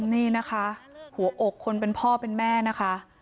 นี่นะคะหัวอกคนเป็นพ่อเป็นแม่นะคะ